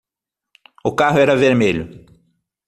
O carro era vermelho.